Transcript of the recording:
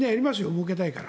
もうけたいから。